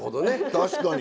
確かに。